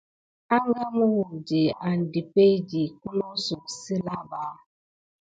Anga mu wukdi an depeydi kunosouk silà ba.